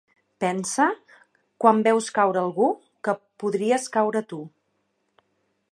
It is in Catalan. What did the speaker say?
Pensa, quan veus caure algú, que podries caure tu.